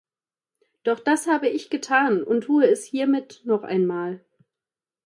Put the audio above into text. Doch das habe ich getan und tue es hiermit noch einmal.